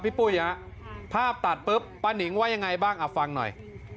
ปุ้ยฮะภาพตัดปุ๊บป้านิงว่ายังไงบ้างฟังหน่อย